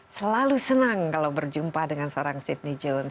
selalu senang kalau berjumpa dengan seorang sydney jones